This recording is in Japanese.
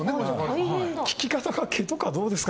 聞き方が毛とかどうですか？